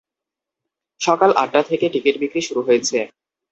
সকাল আটটা থেকে টিকিট বিক্রি শুরু হয়েছে।